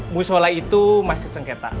musyola itu masih sengketa